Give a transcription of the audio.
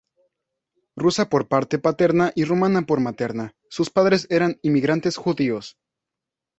Rusa por parte paterna y rumana por materna, sus padres eran inmigrantes judíos.